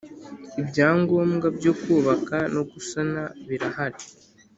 Ibyangombwa byo kubaka no gusana birahari.